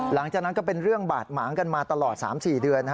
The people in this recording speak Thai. หลังจากนั้นก็เป็นเรื่องบาดหมางกันมาตลอด๓๔เดือน